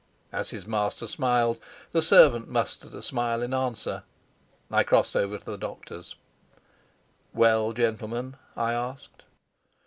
As his master smiled the servant mustered a smile in answer. I crossed over to the doctors. "Well, gentlemen?" I asked.